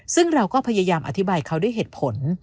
ซึ่งเราก็พยายามอธิบายเขาด้วยเหตุผล